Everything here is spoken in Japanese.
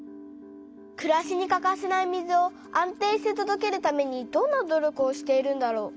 くらしにかかせない水を安定してとどけるためにどんな努力をしているんだろう。